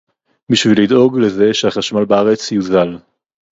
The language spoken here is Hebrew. בשביל לדאוג לזה שהחשמל בארץ יוזל